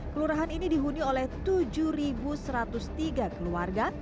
kelurahan ini dihuni oleh tujuh satu ratus tiga keluarga